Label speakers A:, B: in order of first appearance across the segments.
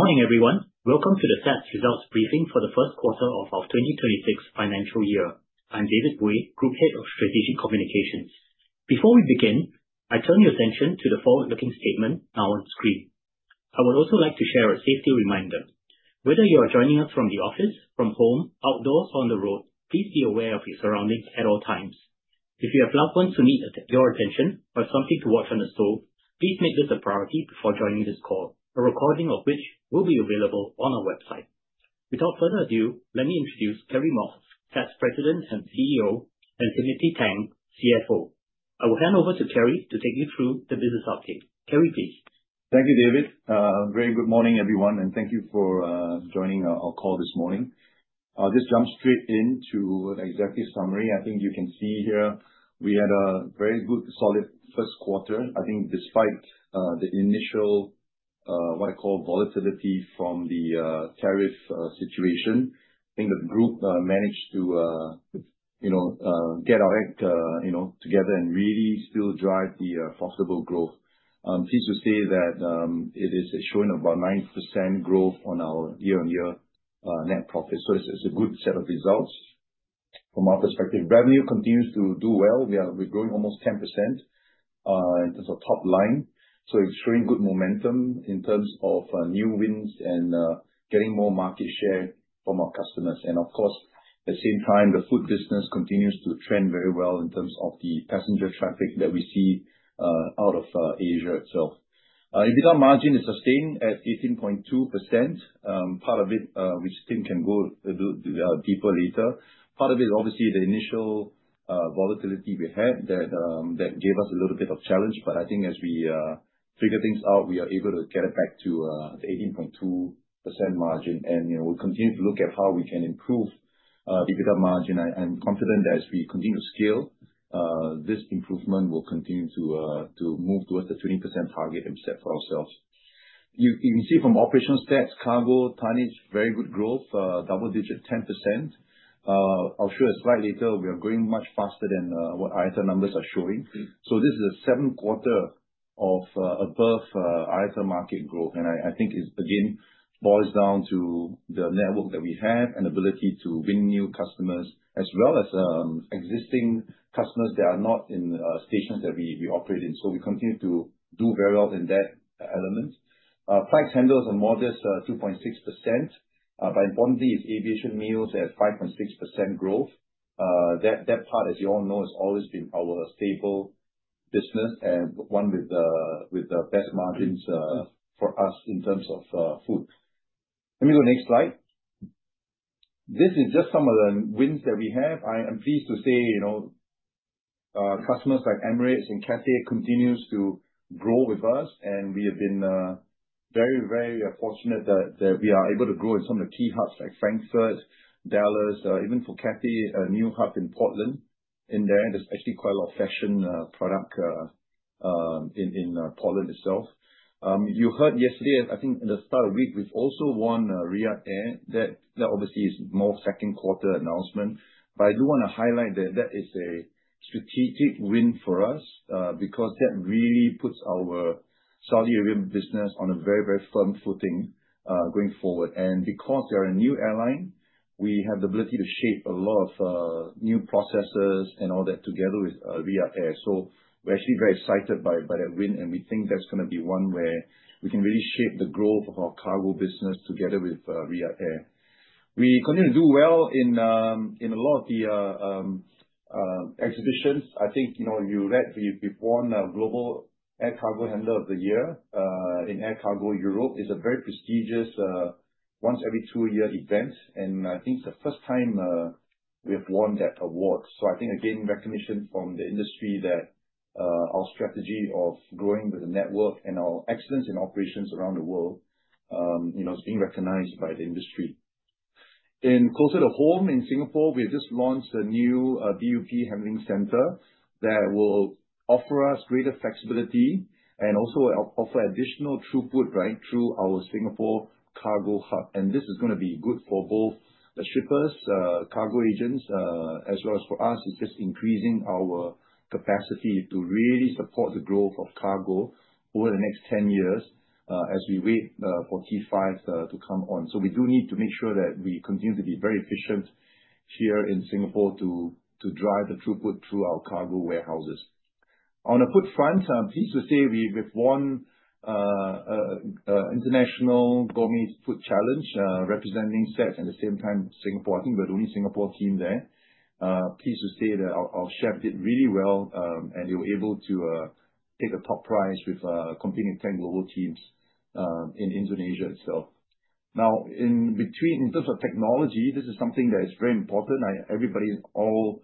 A: Morning everyone, welcome to the SATS Results Briefing for the First Quarter of our 2026 Financial Year. I'm David Boey, Group Head of Strategic Communications. Before we begin, I turn your attention to the forward-looking statement now on the screen. I would also like to share a safety reminder. Whether you are joining us from the office, from home, outdoors, or on the road, please be aware of your surroundings at all times. If you have loved ones to need your attention, or something to watch on the stove, please make this a priority before joining this call, a recording of which will be available on our website. Without further ado, let me introduce Kerry Mok, SATS President and CEO, and Timothy Tang, CFO. I will hand over to Kerry to take you through the business update. Kerry, please.
B: Thank you, David. Very good morning, everyone, and thank you for joining our call this morning. I'll just jump straight into the executive summary. I think you can see here we had a very good, solid first quarter. I think despite the initial, what I call, volatility from the tariff situation, I think the group managed to get our act together and really still drive the profitable growth. It's easy to say that it is showing about 9% growth on our year-on-year net profits, so it's a good set of results. From our perspective, revenue continues to do well. We're growing almost 10% in terms of top line, so it's showing good momentum in terms of new wins and getting more market share from our customers. Of course, at the same time, the food business continues to trend very well in terms of the passenger traffic that we see out of Asia itself. EBITDA margin is sustained at 18.2%. Part of it, which Tim can go a little deeper later, part of it is obviously the initial volatility we had that gave us a little bit of challenge, but I think as we figure things out, we are able to get it back to 18.2% margin. We will continue to look at how we can improve EBITDA margin. I'm confident that as we continue to scale, this improvement will continue to move towards the 20% target and set for ourselves. You can see from operational stats, cargo tonnage, very good growth, double-digit 10%. I'll show you a slide later. We are growing much faster than what ISR numbers are showing. This is a seven-quarter of above ISR market growth, and I think it, again, boils down to the network that we have and the ability to win new customers, as well as existing customers that are not in stations that we operate in. We continue to do very well in that element. Flights handle a modest 2.6%, but importantly, it's aviation meals at 5.6% growth. That part, as you all know, has always been our stable business and one with the best margins for us in terms of food. Let me go to the next slide. This is just some of the wins that we have. I am pleased to say, you know, customers like Emirates and Cathay continue to grow with us, and we have been very, very fortunate that we are able to grow in some of the key hubs like Frankfurt, Dallas, even for Cathay, a new hub in Portland in there. There's actually quite a lot of fashion products in Portland itself. You heard yesterday, I think at the start of the week, we've also won Riyadh Air. That obviously is more second-quarter announcement. I do want to highlight that that is a strategic win for us because that really puts our Saudi Arabian business on a very, very firm footing going forward. Because they're a new airline, we have the ability to shape a lot of new processes and all that together with Riyadh Air. We're actually very excited by that win, and we think that's going to be one where we can really shape the growth of our cargo business together with Riyadh Air. We continue to do well in a lot of the exhibitions. I think, you know, you read we've won the Global Air Cargo Handler of the Year in Air Cargo Europe. It's a very prestigious, once every two-year event, and I think it's the first time we've won that award. Again, recognition from the industry that our strategy of growing with the network and our excellence in operations around the world is being recognized by the industry. Closer to home in Singapore, we've just launched a new DUP handling center that will offer us greater flexibility and also offer additional throughput, right, through our Singapore cargo hub. This is going to be good for both the shippers, the cargo agents, as well as for us, just increasing our capacity to really support the growth of cargo over the next 10 years as we wait for Q5 to come on. We do need to make sure that we continue to be very efficient here in Singapore to drive the throughput through our cargo warehouses. On the food front, pleased to say we've won an International Gourmet Food Challenge representing SATS and at the same time Singapore. I think we're the only Singapore team there. Pleased to say that our chef did really well, and they were able to take a top prize with competing 10 global teams in Indonesia itself. Now, in between in terms of technology, this is something that is very important. Everybody all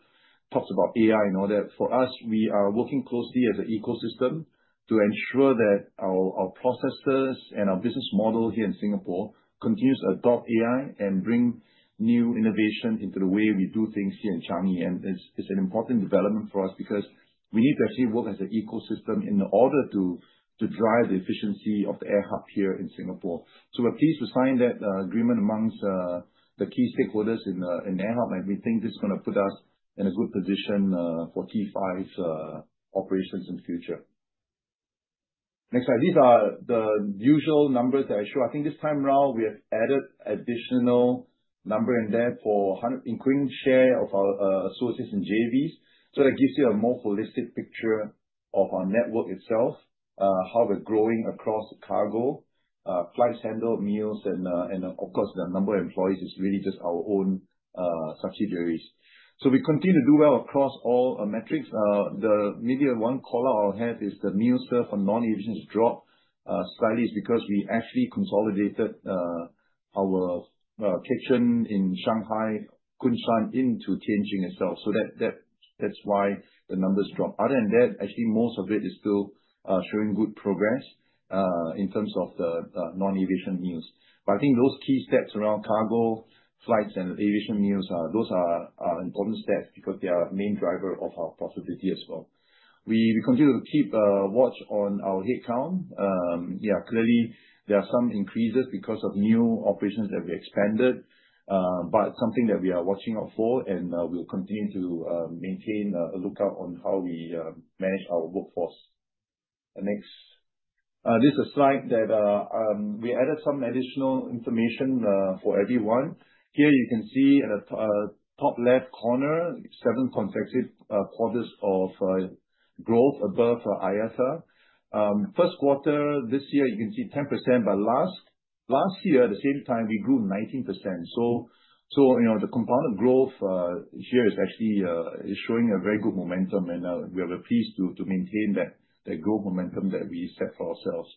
B: talks about AI and all that. For us, we are working closely as an ecosystem to ensure that our processes and our business model here in Singapore continues to adopt AI and bring new innovations into the way we do things here in Changi. It's an important development for us because we need to achieve both as an ecosystem in order to drive the efficiency of the air hub here in Singapore. We're pleased to find that agreement amongst the key stakeholders in the air hub. We think it's going to put us in a good position for Q5's operations in the future. Next slide. These are the usual numbers that I show. I think this time around we have added an additional number in there for an increased share of our associates in JVs. That gives you a more holistic picture of our network itself, how we're growing across the cargo, flights handled, meals, and of course, the number of employees is really just our own subsidiaries. We continue to do well across all metrics. The media one column I'll have is the meal stuff for non-event drop slightly because we actually consolidated our kitchen in Shanghai, Kunshan, into Tianjin itself. That's why the numbers dropped. Other than that, actually, most of it is still showing good progress in terms of the non-event meals. I think those key steps around cargo, flights, and aviation meals, those are important steps because they are the main drivers of our profitability as well. We continue to keep a watch on our headcount. Yeah, clearly, there are some increases because of new operations that we expanded, but something that we are watching out for and we'll continue to maintain a lookout on how we manage our workforce. Next. This is a slide that we added some additional information for everyone. Here you can see in the top left corner, seven consecutive quarters of growth above ISR. First quarter this year, you can see 10%, but last year, at the same time, we grew 19%. The compounded growth here is actually showing a very good momentum, and we are pleased to maintain that growth momentum that we set for ourselves.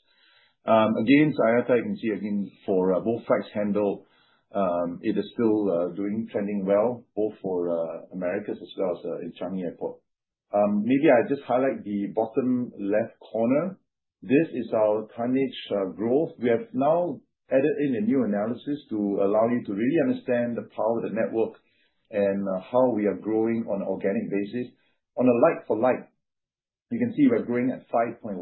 B: Again, as I can see, I think for both flights handled, it is still trending well, both for Americas as well as in Changi Airport. Maybe I just highlight the bottom left corner. This is our tonnage growth. We have now added in a new analysis to allow you to really understand the power of the network and how we are growing on an organic basis. On a like-for-like, you can see we're growing at 5.1%.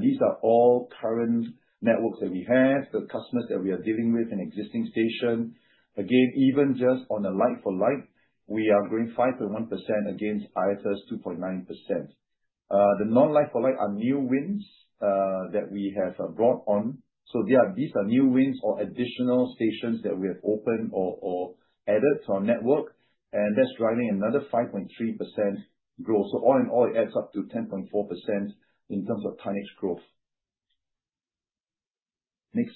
B: These are all current networks that we have, the customers that we are dealing with, and existing stations. Again, even just on a like-for-like, we are growing 5.1% against ISR's 2.9%. The non-like-for-like are new wins that we have brought on. These are new wins or additional stations that we have opened or added to our network, and that's driving another 5.3% growth. All in all, it adds up to 10.4% in terms of tonnage growth. Next.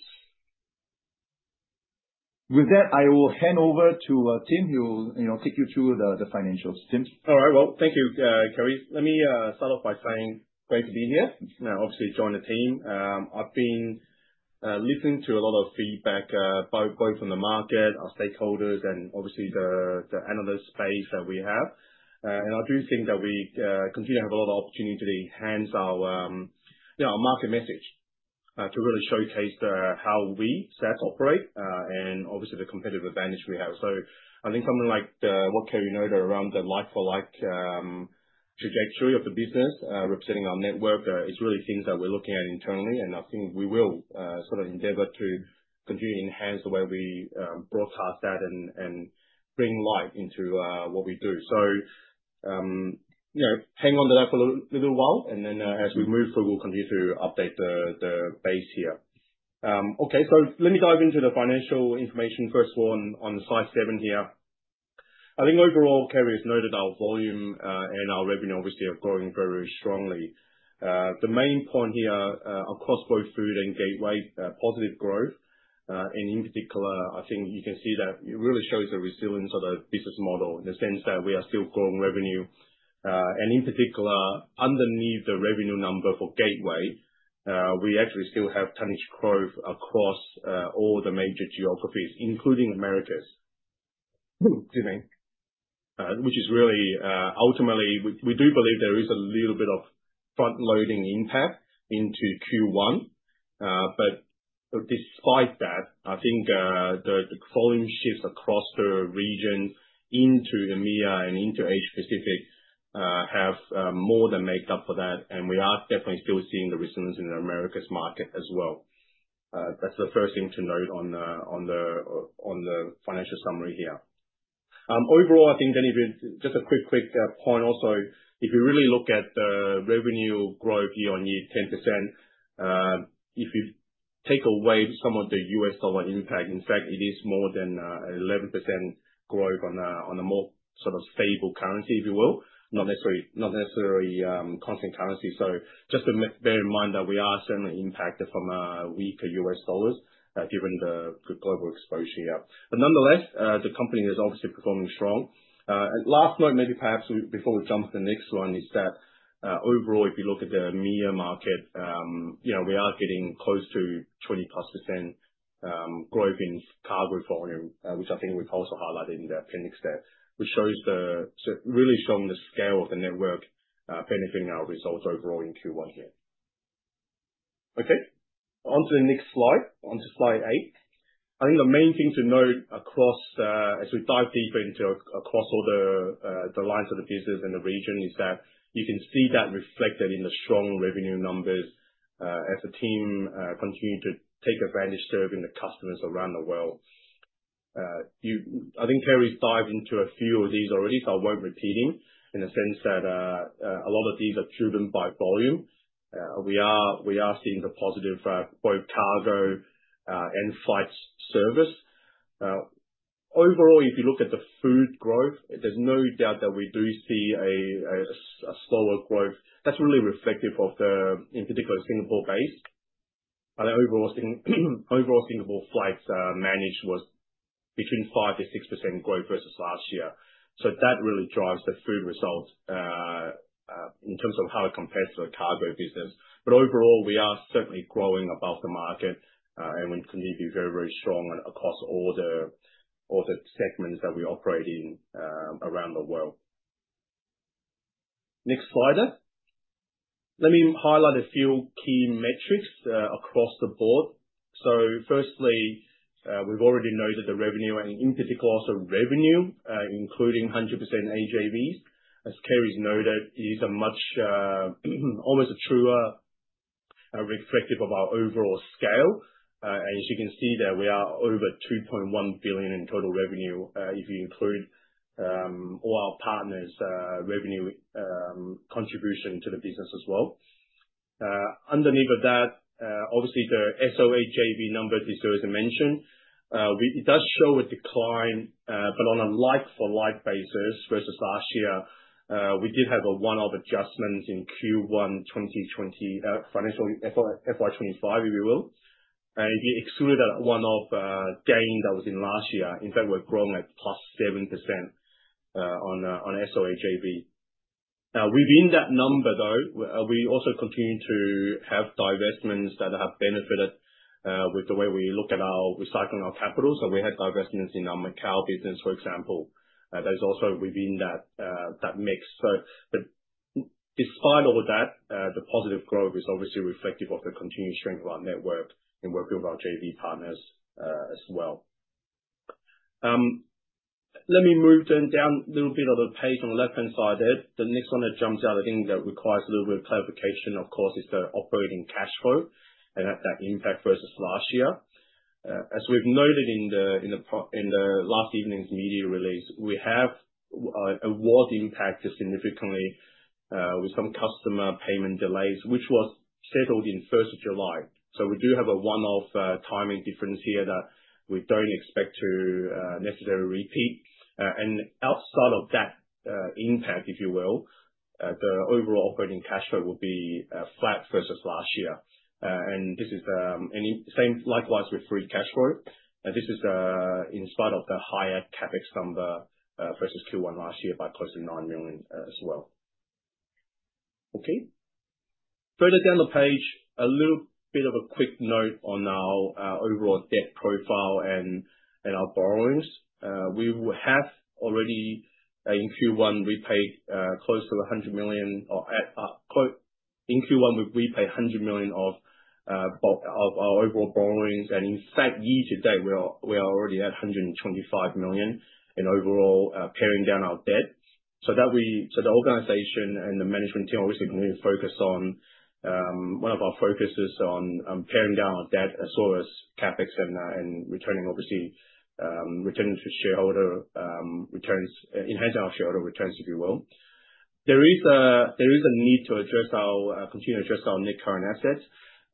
B: With that, I will hand over to Tim, who will take you through the financials. Tim.
C: All right. Thank you, Kerry. Let me start off by thanking you for being here. I obviously joined the team. I've been listening to a lot of feedback both from the market, our stakeholders, and obviously the analyst space that we have. I do think that we continue to have a lot of opportunity to enhance our market message to really showcase how we operate and obviously the competitive advantage we have. I think something like what Kerry noted around the like-for-like trajectory of the business representing our network is really things that we're looking at internally. I think we will endeavor to continue to enhance the way we broadcast that and bring light into what we do. Hang on to that for a little while, and as we move forward, we'll continue to update the base here. Let me dive into the financial information, first one on slide seven here. I think overall, Kerry has noted our volume and our revenue obviously are growing very strongly. The main point here, our cross-border food and gateway positive growth. In particular, I think you can see that it really shows the resilience of the business model in the sense that we are still growing revenue. In particular, underneath the revenue number for Gateway, we actually still have tonnage growth across all the major geographies, including Americas, which is really ultimately, we do believe there is a little bit of front-loading impact into Q1. Despite that, I think the volume shifts across the region into the MEI and into Asia-Pacific have more than made up for that. We are definitely still seeing the resilience in the Americas market as well. That's the first thing to note on the financial summary here. Overall, I think then if you just a quick, quick point also, if you really look at the revenue growth year-on-year, 10%, if you take away some of the U.S. dollar impact, in fact, it is more than 11% growth on a more sort of stable currency, if you will, not necessarily constant currency. Just to bear in mind that we are certainly impacted from a weaker U.S. dollar given the global exposure here. Nonetheless, the company is obviously performing strong. Last note, perhaps before we jump to the next one, is that overall, if you look at the MEI market, we are getting close to 20%+ growth in cargo volume, which I think we've also highlighted in the appendix there, which shows the really strong scale of the network benefiting our results overall in Q1 here. Okay. Onto the next slide, onto slide eight. The main thing to note as we dive deeper into all the lines of the business in the region is that you can see that reflected in the strong revenue numbers as the team continues to take advantage of serving the customers around the world. I think Kerry's dived into a few of these already, so I won't repeat them in the sense that a lot of these are driven by volume. We are seeing the positive growth in cargo and flight service. Overall, if you look at the food growth, there's no doubt that we do see a slower growth. That's really reflective of the, in particular, Singapore based. Overall, Singapore flights managed between 5%-6% growth versus last year. That really drives the food results in terms of how it compares to the cargo business. Overall, we are certainly growing above the market and continue to be very, very strong across all the segments that we operate in around the world. Next slide. Let me highlight a few key metrics across the board. Firstly, we've already noted the revenue and in particular also revenue, including 100% AJVs. As Kerry noted, it is almost a truer reflective of our overall scale. As you can see there, we are over 2.1 billion in total revenue if you include all our partners' revenue contribution to the business as well. Underneath that, obviously, the SOH-AV number, as I mentioned, does show a decline, but on a like-for-like basis versus last year, we did have a one-off adjustment in Q1 2024, FY 2025, if you will. We excluded that one-off gain that was in last year. In fact, we're growing at plus 7% on SOH-AV. Within that number, we also continue to have divestments that have benefited with the way we look at our recycling of capital. We have divestments in our Macao business, for example. There's also within that mix. Despite all of that, the positive growth is obviously reflective of the continued strength of our network and working with our JV partners as well. Let me move then down a little bit of the page on the left-hand side there. The next one that jumps out, I think, that requires a little bit of clarification, of course, is the operating cash flow and that impact versus last year. As we've noted in last evening's media release, we have a ward impact significantly with some customer payment delays, which was settled on July 1st. We do have a one-off timing difference here that we don't expect to necessarily repeat. Outside of that impact, if you will, the overall operating cash flow will be flat versus last year, and same likewise with free cash flow. This is in spite of the higher CapEx number versus Q1 last year by close to 9 million as well. Further down the page, a little bit of a quick note on our overall debt profile and our borrowings. We have already in Q1 repaid close to 100 million, or, in Q1 we've repaid 100 million of our overall borrowing. In fact, year-to-date, we are already at 125 million in overall paring down our debt. The organization and the management team are obviously really focused on one of our focuses on paring down our debt as well as CapEx and returning, obviously, returning to shareholder returns, enhancing our shareholder returns, if you will. There is a need to address our continue to address our net current assets.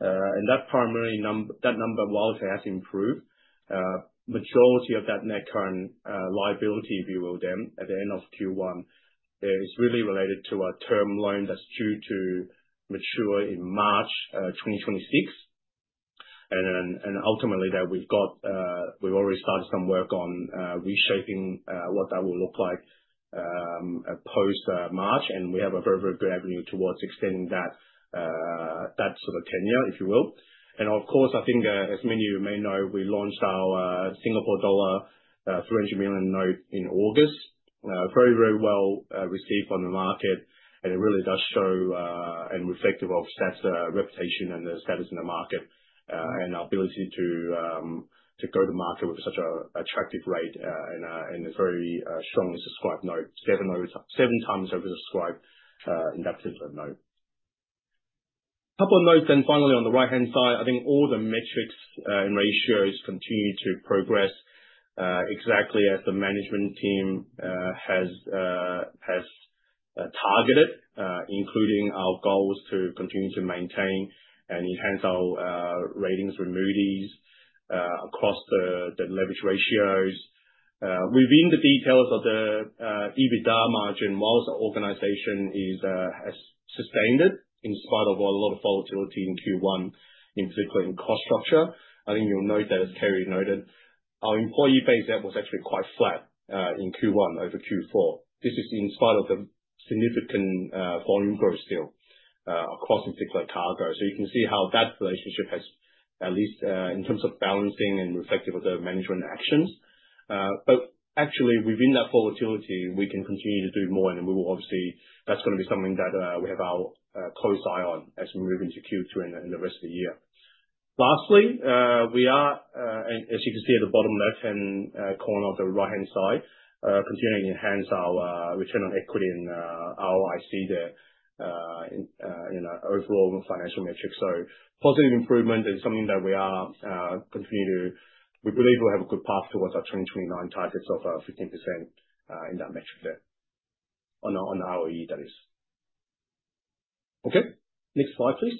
C: That primary number, that number of wallets, has improved. The majority of that net current liability, if you will, then, at the end of Q1, is really related to a term loan that's due to mature in March 2026. Ultimately, we've already started some work on reshaping what that will look like post-March, and we have a very, very good avenue towards extending that sort of tenure, if you will. Of course, I think as many of you may know, we launched our Singapore dollar 300 million note in August. Very, very well received on the market. It really does show and is reflective of SATS' reputation and the status in the market and our ability to go to market with such an attractive rate and a very strongly subscribed note. Seven times oversubscribed in that particular note. A couple of notes then, finally, on the right-hand side, I think all the metrics and ratios continue to progress exactly as the management team has targeted, including our goals to continue to maintain and enhance our ratings remedies across the leverage ratios. Within the details of the EBITDA margin, whilst the organization has sustained it in spite of a lot of volatility in Q1 in circling cost structure, I think you'll note that, as Kerry Mok noted, our employee base was actually quite flat in Q1 over Q4. This is in spite of a significant volume growth still across the particular cargo. You can see how that relationship has, at least in terms of balancing and reflective of the management actions. Actually, within that volatility, we can continue to do more. We will obviously, that's going to be something that we have our profile on as we move into Q2 and the rest of the year. Lastly, as you can see at the bottom left-hand corner of the right-hand side, we are continuing to enhance our return on equity and ROIC there in the overall financial metrics. Positive improvement is something that we are continuing to, we believe we'll have a good path towards our 2029 targets of 15% in that metric there, on our ROE, that is. Okay. Next slide, please.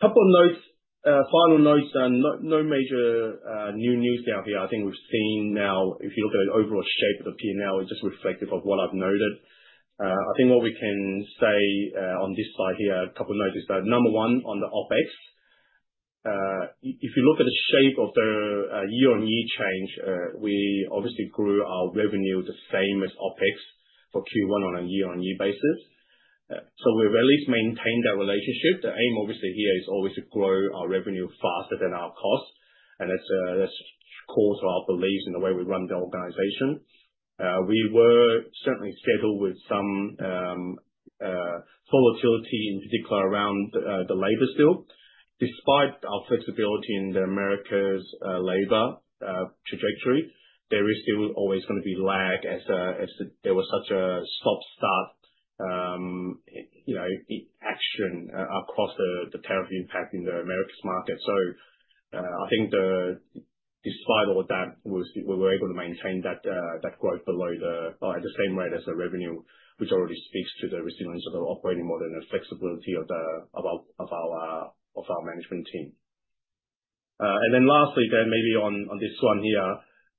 C: A couple of notes, final notes, and no major new news out here. I think we've seen now, if you look at the overall shape of the P&L, it's just reflective of what I've noted. What we can say on this slide here, a couple of notes is that, number one, on the OpEx, if you look at the shape of the year-on-year change, we obviously grew our revenue the same as OpEx for Q1 on a year-on-year basis. We've at least maintained that relationship. The aim obviously here is always to grow our revenue faster than our cost. That's core to our belief in the way we run the organization. We were certainly scheduled with some volatility, in particular around the labor still. Despite our flexibility in the America's labor trajectory, there is still always going to be lag as there was such a stop-start action across the tariff impact in the America's market. Despite all of that, we were able to maintain that growth below the, or at the same rate as the revenue, which already speaks to the resilience of the operating model and the flexibility of our management team. Lastly, maybe on this one here,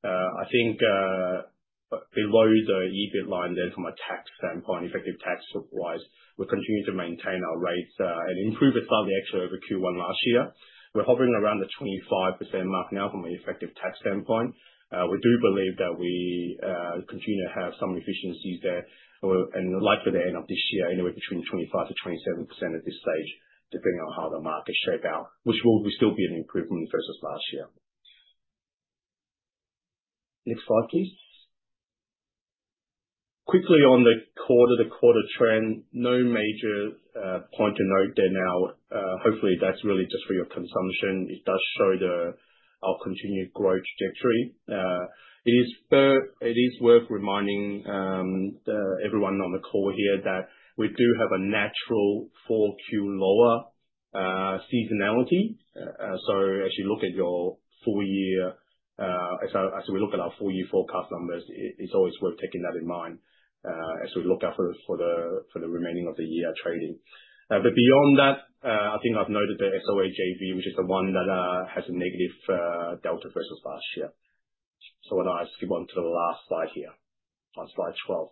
C: below the EBIT line from a tax standpoint, effective tax-wise, we continue to maintain our rates and improve it slightly extra over Q1 last year. We're hovering around the 25% mark now from an effective tax standpoint. We do believe that we continue to have some efficiencies there. Likely the end of this year, anywhere between 25%-27% at this stage, depending on how the market shapes out, which will still be an improvement versus last year. Next slide, please. Quickly on the quarter-to-quarter trend, no major point to note there now. Hopefully, that's really just for your consumption. It does show our continued growth trajectory. It is worth reminding everyone on the call here that we do have a natural fall Q lower seasonality. As you look at your full year, as we look at our full year forecast numbers, it's always worth taking that in mind as we look out for the remaining of the year trading. Beyond that, I think I've noted the SOH-AV, which is the one that has a negative delta versus last year. I want to ask you one to the last slide here, on slide 12.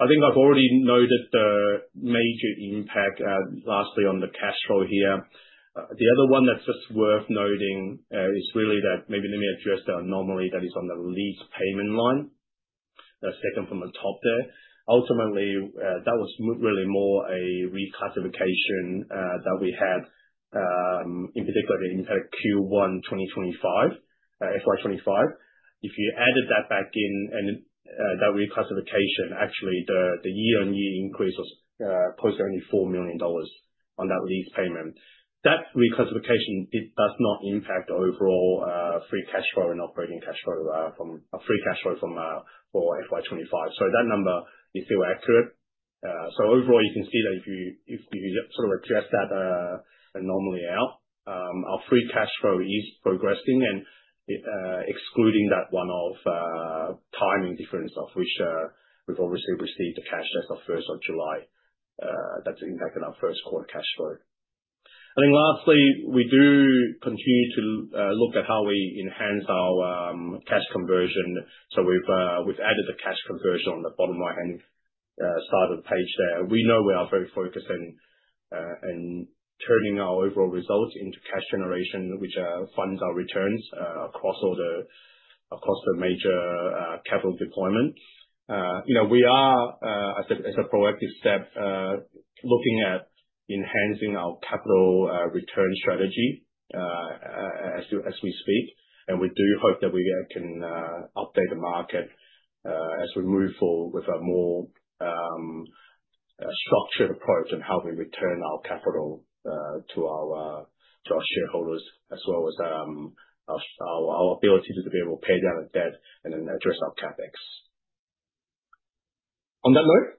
C: I think I've already noted the major impact lastly on the cash flow here. The other one that's just worth noting is really that maybe let me address the anomaly that is on the lease payment line, the second from the top there. Ultimately, that was really more a reclassification that we had, in particular the impact Q1 2025, FY 2025. If you added that back in and that reclassification, actually, the year-on-year increase of close to only 4 million dollars on that lease payment, that reclassification does not impact the overall free cash flow and operating cash flow from a free cash flow for FY 2025. That number is still accurate. Overall, you can see that if you sort of address that anomaly out, our free cash flow is progressing and excluding that one-off timing difference of which we've obviously received the cash as of 1st of July. That's impacted our first quarter cash flow. I think lastly, we do continue to look at how we enhance our cash conversion. We've added the cash conversion on the bottom right-hand side of the page there. We know we are very focused on turning our overall results into cash generation, which funds our returns across all the major capital deployments. We are at the proactive step looking at enhancing our capital return strategy as we speak. We do hope that we can update the market as we move forward with a more structured approach in how we return our capital to our shareholders, as well as our ability to be able to pay down the debt and then address our CapEx. On that note,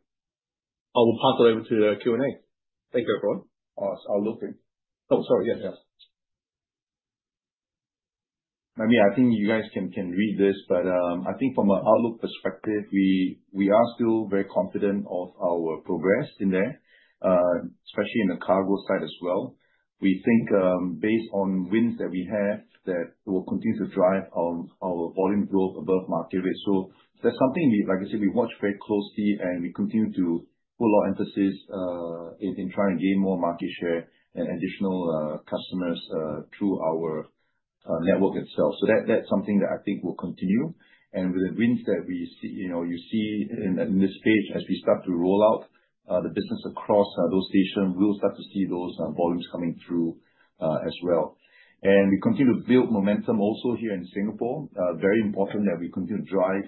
C: I will pass it over to Q&A. Thank you, everyone. Our look. Oh, sorry, yes. I think you guys can read this, but I think from an outlook perspective, we are still very confident of our progress in there, especially in the cargo side as well. We think based on wins that we have that will continue to drive our volume growth above market rate. That's something we've actually watched very closely, and we continue to put a lot of emphasis in trying to gain more market share and additional customers through our network itself. That's something that I think will continue. With the wins that we see, you see in this space as we start to roll out the business across those stations, we'll start to see those volumes coming through as well. We continue to build momentum also here in Singapore. It is very important that we continue to drive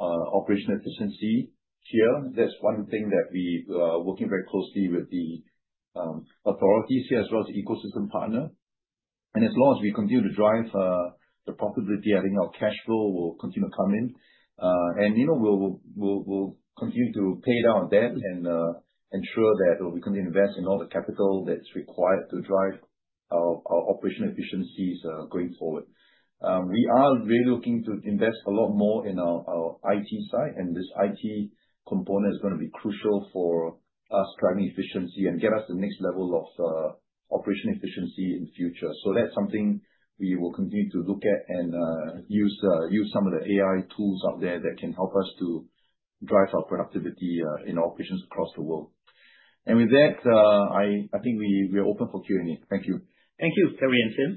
C: operational efficiency here. That's one thing that we are working very closely with the authorities here as well as the ecosystem partner. As long as we continue to drive the profitability, I think our cash flow will continue to come in. We'll continue to pay down our debt and ensure that we can invest in all the capital that's required to drive our operational efficiencies going forward. We are really looking to invest a lot more in our IT side, and this IT component is going to be crucial for us driving efficiency and get us the next level of operational efficiency in the future. That's something we will continue to look at and use some of the AI tools out there that can help us to drive our productivity in operations across the world. With that, I think we are open for Q&A. Thank you.
A: Thank you, Kerry and Tim.